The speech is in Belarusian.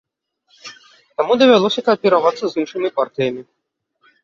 Таму давялося кааперавацца з іншымі партыямі.